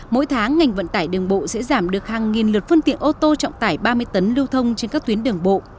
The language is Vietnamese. mỗi tháng ngành vận tải đường bộ sẽ giảm được hàng nghìn lượt phương tiện ô tô trọng tải ba mươi tấn lưu thông trên các tuyến đường bộ